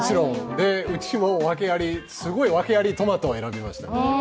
うちも訳あり、すごい訳ありトマトを選びました。